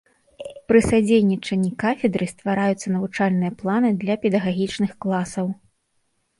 Пры садзейнічанні кафедры ствараюцца навучальныя планы для педагагічных класаў.